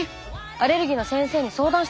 アレルギーの先生に相談してみる